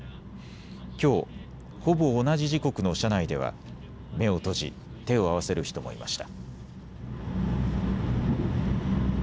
きょう、ほぼ同じ時刻の車内では目を閉じ手を合わせる人もいました。